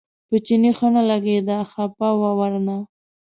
په چیني ښه نه لګېده خپه و ورنه.